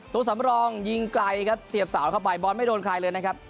ตัวสำรองยิงไกลครับเสียบสาวเข้าไปบอลไม่โดนใครเลยนะครับ